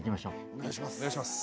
お願いします。